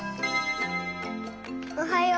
おはよう。